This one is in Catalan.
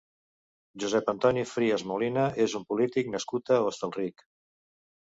Josep Antoni Frías Molina és un polític nascut a Hostalric.